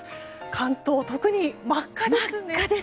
関東、特に真っ赤ですね。